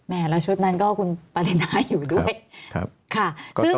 แหมเราชุดนั้นก็คุณปริณาอยู่ด้วย